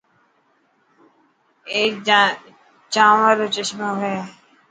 اي چانور رو چمچو هي.